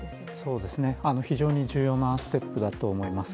そうですね、非常に重要なステップだと思います。